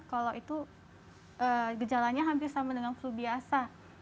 kalau itu gejalanya hampir sama dengan flu biasa